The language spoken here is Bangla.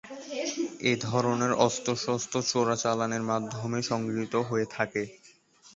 এ ধরনের অস্ত্র-শস্ত্র চোরাচালানের মাধ্যমেই সংগৃহীত হয়ে থাকে।